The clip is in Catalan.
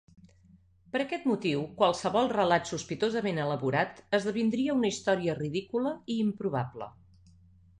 Per aquest motiu, qualsevol relat sospitosament elaborat esdevindria una història ridícula i improbable.